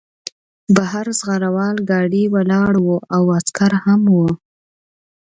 بهر زغره وال ګاډی ولاړ و او عسکر هم وو